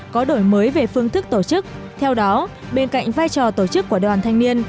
có đổi mới về phương thức tổ chức theo đó bên cạnh vai trò tổ chức của đoàn thanh niên